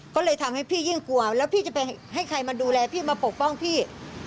ก็เลยทำให้พี่ยิ่งกลัวแล้วพี่จะไปให้ใครมาดูแลพี่มาปกป้องพี่